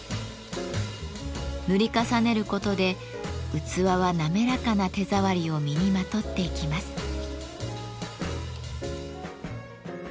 塗り重ねることで器は滑らかな手触りを身にまとっていきます。